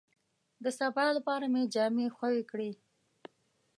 د سبا لپاره مې جامې خوې کړې.